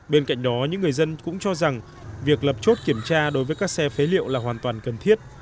bên cạnh đó những người dân cũng cho rằng việc lập chốt kiểm tra đối với các xe phế liệu là hoàn toàn cần thiết